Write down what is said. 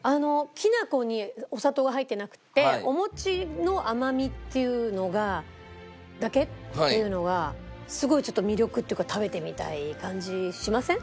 きな粉にお砂糖が入ってなくてお餅の甘みっていうのがだけっていうのがすごい魅力というか食べてみたい感じしません？